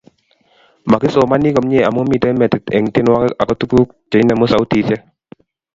magisomani komnyei amu miten metit eng tyenwogik ago tuguk che inemu sautishek